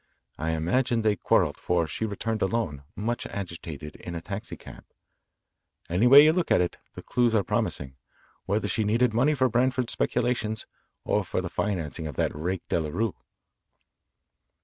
I imagine they quarrelled, for she returned alone, much agitated, in a taxi cab. Any way you look at it, the clues are promising whether she needed money for Branford's speculations or for the financing of that rake Delarue."